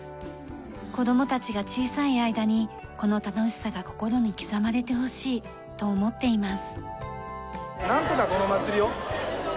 子供たちが小さい間にこの楽しさが心に刻まれてほしいと思っています。